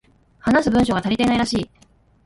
話す文章が足りていないらしい